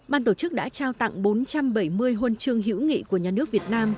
ban tổ chức đã trao tặng bốn trăm bảy mươi huân chương hữu nghị của nhà nước việt nam